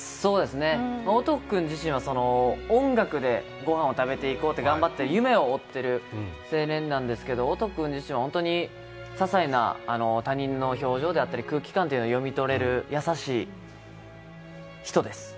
音君自身は音楽でご飯を食べていこうと頑張って夢を追っている青年なんですけど、音君自身はささいな他人の表情であったり空気感を読み取れる優しい人です。